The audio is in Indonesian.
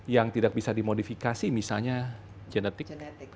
yang tidak bisa dimodifikasi misalnya genetik